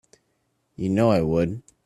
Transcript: You know I would.